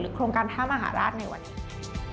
โครงการท่ามหาราชในวันนี้